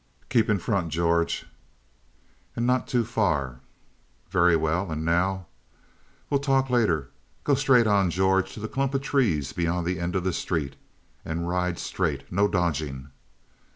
"Keep in front, George." "And not too far." "Very well. And now?" "We'll talk later. Go straight on, George, to the clump of trees beyond the end of the street. And ride straight. No dodging!"